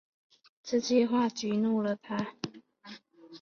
这句话激怒了他